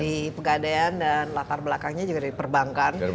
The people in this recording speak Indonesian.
di pegadaian dan latar belakangnya juga dari perbankan